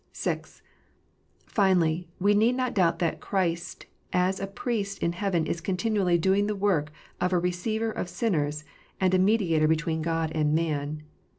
(6) Finally, we need not doubt that Christ as a Priest in heaven is continually doing the work of a Receiver of sinners, and a Mediator between God and man.